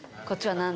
こちら。